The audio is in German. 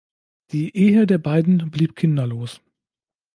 Die Ehe der beiden blieb kinderlos.